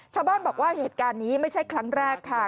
ชาวบ้านบอกว่าเหตุการณ์นี้ไม่ใช่ครั้งแรกค่ะ